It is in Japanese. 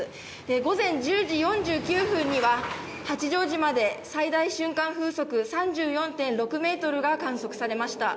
午前１０時４９分には八丈島で最大瞬間風速３４．６メートルが観測されました。